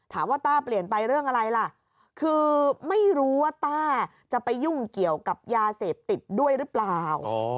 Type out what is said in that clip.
ต้าเปลี่ยนไปเรื่องอะไรล่ะคือไม่รู้ว่าต้าจะไปยุ่งเกี่ยวกับยาเสพติดด้วยหรือเปล่า